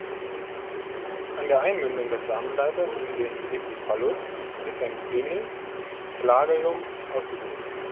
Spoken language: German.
An der Einmündung des Samenleiters in den Epiphallus ist ein dünnes Flagellum ausgebildet.